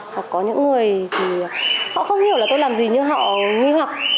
hoặc có những người thì họ không hiểu là tôi làm gì như họ nghi học